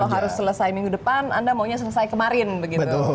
jadi kalau harus selesai minggu depan anda maunya selesai kemarin begitu